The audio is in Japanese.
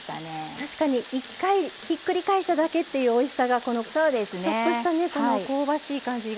確かに１回ひっくり返しただけっていうおいしさがちょっとした香ばしい感じが出ていいですね。